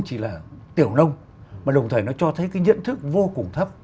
chỉ là tiểu nông mà đồng thời nó cho thấy cái nhận thức vô cùng thấp